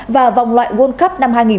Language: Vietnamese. và vòng loại world cup hai nghìn hai mươi hai